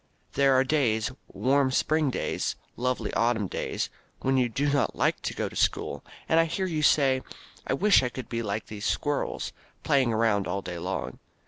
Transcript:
There are days, warm spring days, lovely autumn days, when you do not like to go to school, and I hear you say, "I wish I could be like these squirrels, playing around all day long."